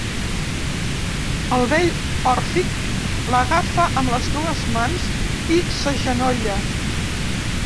El vell òrfic l'agafa amb les dues mans i s'agenolla.